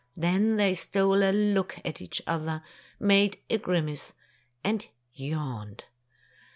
Then they stole a look at each other, made a grimace, and yawned.